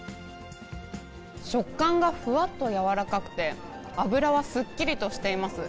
食感がふわっと軟らかくて、脂はすっきりとしています。